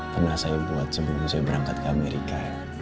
pernah saya buat sebelum saya berangkat ke amerika